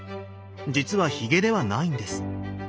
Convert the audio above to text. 実はひげではないんです。